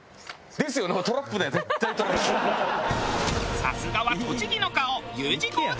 さすがは栃木の顔Ｕ字工事。